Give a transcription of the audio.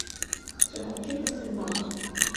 Хҵәа-хәыҷык асырбап.